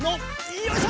よいしょ！